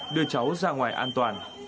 đưa cháu ra ngoài an toàn